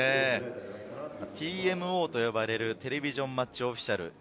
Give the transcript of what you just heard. ＴＭＯと呼ばれる、テレビジョン・マッチ・オフィシャル。